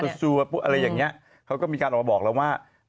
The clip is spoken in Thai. ซัวอะไรอย่างนี้เขาก็มีการออกมาบอกแล้วว่า